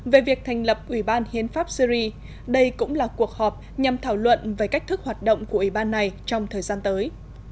về việc thành lập ủy ban hiến pháp syri đây cũng là cuộc họp nhằm thảo luận về cách thức hoạt động của ủy ban này trong thời gian tới